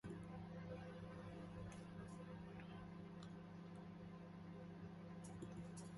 그는 언제나 속이 답답할 때마다 이 나무다리를 어루만지는 것이다.